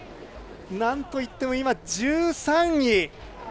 なんといっても今、１３位。